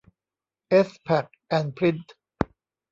เอส แพ็ค แอนด์ พริ้นท์